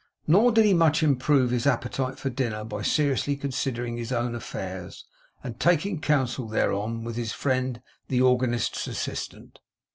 Nor did he much improve his appetite for dinner by seriously considering his own affairs, and taking counsel thereon with his friend the organist's assistant.